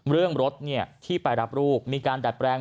เรื่องรถที่ไปรับลูกมีการดัดแปลง